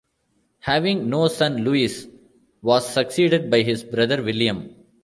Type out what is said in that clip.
Having no son Louis was succeeded by his brother William.